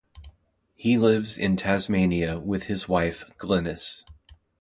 He lives in Tasmania with his wife Glynis.